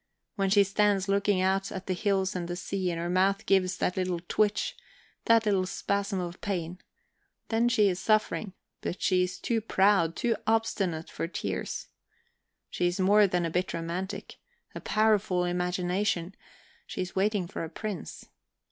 When she stands looking out at the hills and the sea, and her mouth gives that little twitch, that little spasm of pain, then she is suffering; but she is too proud, too obstinate for tears. She is more than a bit romantic; a powerful imagination; she is waiting for a prince.